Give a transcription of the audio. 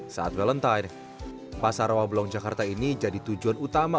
saat valentine pasar rawabelong jakarta ini jadi tujuan utama